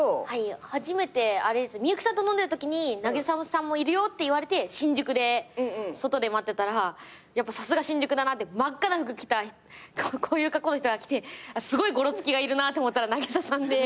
初めて幸さんと飲んでるときに「渚さんもいるよ」って言われて新宿で外で待ってたらやっぱさすが新宿だなって真っ赤な服着たこういう格好の人が来てすごいごろつきがいるなって思ったら渚さんで。